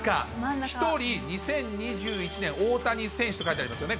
１人、２０２１年大谷選手と書いてありますよね。